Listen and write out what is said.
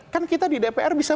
kan kita di dpr bisa